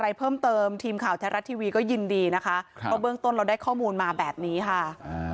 อะไรเพิ่มเติมทีมข่าวแท้รัฐทีวีก็ยินดีนะคะครับเพราะเบื้องต้นเราได้ข้อมูลมาแบบนี้ค่ะอ่า